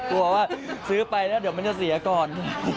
กลัวว่าซื้อไปแล้วเดี๋ยวมันจะเสียก่อน